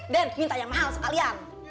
den minta yang mahal sekalian